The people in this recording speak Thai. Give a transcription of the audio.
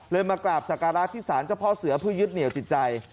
เลยมากราบศักดราชินศัตริย์สารเจ้าพ่อเสือเพื่อยืดเหนียวจิตใจ